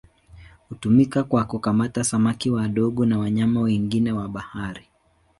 Hutumika kwa kukamata samaki wadogo na wanyama wengine wa bahari.